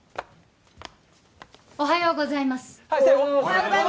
おはようございますはいセイ！